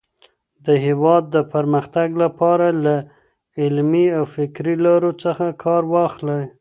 د هېواد د پرمختګ لپاره له علمي او فکري لارو څخه کار واخلئ.